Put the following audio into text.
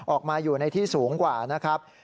ออกมาอยู่ในที่สูงกว่านะครับ